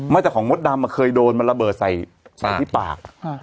จากของมดดำเคยโดนมันระเบิดใส่ที่ปาก